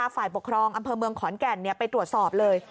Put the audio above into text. ฝ่ายปกครองอำเภอเมืองขอนแก่นไปตรวจสอบเลย